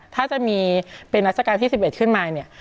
ถ้าจะมีเป็นรัชกาลที่๑๑ขึ้นมาเนี่ย